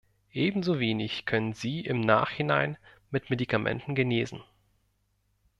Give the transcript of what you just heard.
Ebenso wenig können sie im Nachhinein mit Medikamenten genesen.